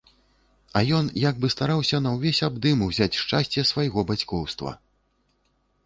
І ён як бы стараўся на ўвесь абдым узяць шчасце свайго бацькоўства.